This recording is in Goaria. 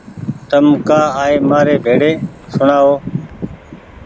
تم ڪآ آئي مآري ڀيڙي سوڻآ او